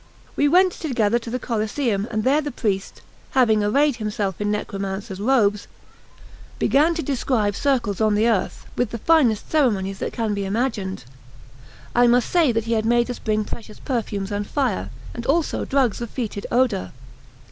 We went together to the Coliseum; and there the priest, having arrayed himself in necromancer's robes, began to describe circles on the earth with the finest ceremonies that can be imagined. I must say that he had made us bring precious perfumes and fire, and also drugs of fetid odour.